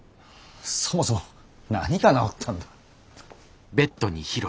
そもそも何が治ったんだ？